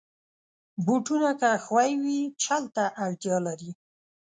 بوټونه که ښوی وي، چل ته اړتیا لري.